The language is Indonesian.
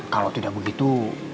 kalo tidak begitu